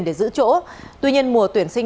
để giữ chỗ tuy nhiên mùa tuyển sinh